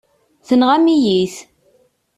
Tenɣam-iyi-t.